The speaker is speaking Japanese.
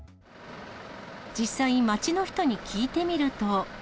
実際、街の人に聞いてみると。